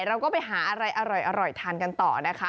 เราก็ไปหาอะไรอร่อยทานกันต่อนะคะ